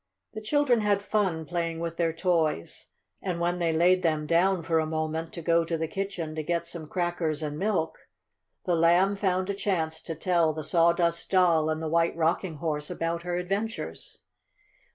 The children had fun playing with their toys, and when they laid them down for a moment to go to the kitchen to get some crackers and milk, the Lamb found a chance to tell the Sawdust Doll and the White Rocking Horse about her adventures.